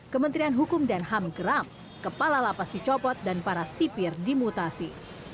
kementerian hukum dan ham geram kepala lapas dicopot dan para sipir dimutasi